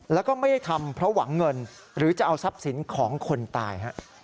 แล้วก็ไม่ได้ทำเพราะหวังเงินหรือจะเอาทรัพย์สินของคนตาย